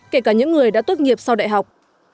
kể cả những người đã tốt nghiệp sau đại học